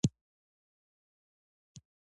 د نورو په ارزښت ورکولو ستاسي ارزښت ډېرېږي.